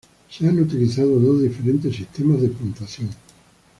Se han utilizado dos diferentes sistemas de puntuación.